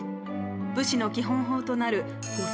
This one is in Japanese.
武士の基本法となる御